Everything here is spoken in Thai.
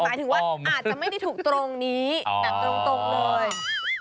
หมายถึงว่าอาจจะไม่ได้ถูกตรงนี้แบบตรงเลย